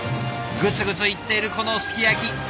グツグツ言ってるこの「すき焼き」